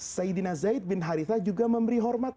saidina zaid bin harithah juga memberi hormat